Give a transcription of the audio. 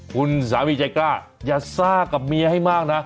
คุณสามีใจกล้าอย่าซ่ากับเมียให้มากนะ